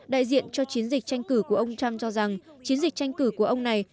đại diện cho chiến dịch tranh cử của ông trump cho rằng chiến dịch tranh cử của ông này